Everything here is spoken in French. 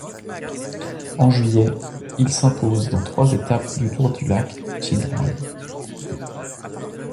En juillet, il s'impose dans trois étapes du Tour du lac Qinghai.